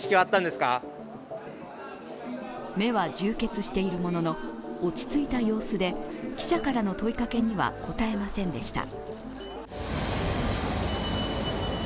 目は充血しているものの、落ち着いた様子で記者からの問いかけには答えませんでした。